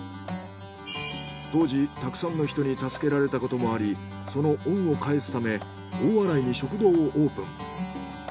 当時たくさんの人に助けられたこともありその恩を返すため大洗に食堂をオープン。